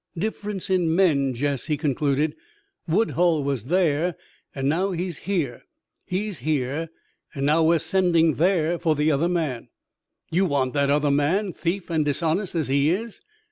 Difference in men, Jess!" he concluded. "Woodhull was there and now he's here. He's here and now we're sending there for the other man." "You want that other man, thief and dishonest as he is?"